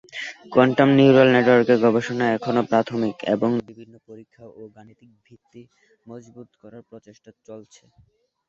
Quantum neural নেটওয়ার্কের গবেষণা এখনও প্রাথমিক এবং বিভিন্ন পরিক্ষা ও গাণিতিক ভিত্তি মজবুত করার প্রচেষ্টা চলছে।